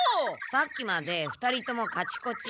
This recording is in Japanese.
さっきまで２人ともカチコチ。